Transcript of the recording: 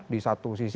di satu sisi